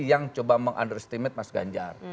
yang coba meng understimate mas ganjar